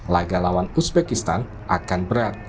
laga lawan uzbekistan akan berat